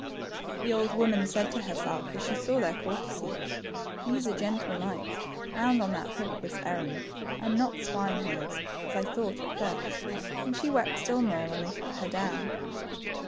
The old woman said to herself as she saw their courtesy, These are gentle knights bound on that hopeless errand, and not swine herds as I thought at first ;'' and she wept still more when they put her down.